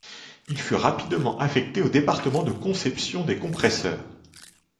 Il fut rapidement affecté au département de conception des compresseurs.